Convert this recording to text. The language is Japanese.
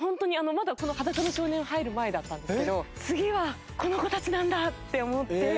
まだこの『裸の少年』入る前だったんですけど次はこの子たちなんだって思って。